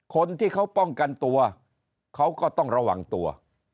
คนที่เขาป้องกันตัวเขาก็ต้องระวังตัว